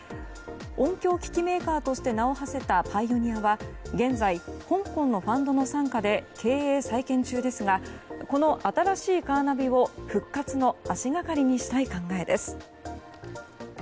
音響機器メーカーとして名を馳せたパイオニアは現在香港のファンドの傘下で経営再建中ですがこの新しいカーナビを復活の足掛かりにしたい考えです。